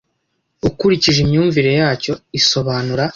ukurikije imyumvire yacyo isobanura